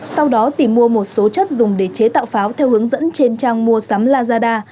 sau đó tìm mua một số chất dùng để chế tạo pháo theo hướng dẫn trên trang mua sắm lazada